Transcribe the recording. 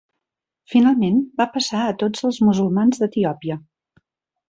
Finalment va passar a tots els musulmans d'Etiòpia.